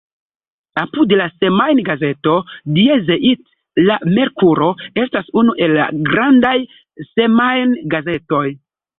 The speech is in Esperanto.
Apud la semajngazeto Die Zeit la Merkuro estas unu el la grandaj semajn-gazetoj.